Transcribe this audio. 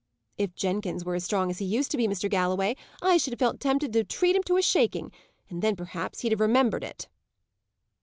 If Jenkins were as strong as he used to be, Mr. Galloway, I should have felt tempted to treat him to a shaking, and then, perhaps, he'd have remembered it!"